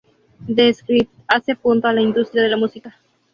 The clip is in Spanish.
The Script hace punto a la industria de la música.